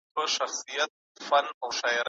ځینې میندو خپل ماشومان خوړلي ول.